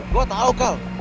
gue tau kal